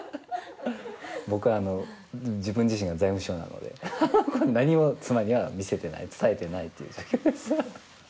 僕はあの自分自身が財務省なので何も妻には見せていない伝えていないという状況です。